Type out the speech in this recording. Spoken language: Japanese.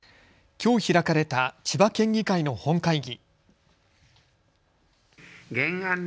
きょう開かれた千葉県議会の本会議。